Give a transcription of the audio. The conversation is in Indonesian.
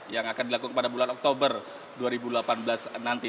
yang akan dilakukan pada bulan oktober dua ribu delapan belas nanti